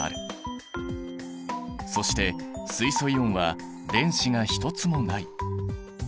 そして水素イオンは電子が一つもない。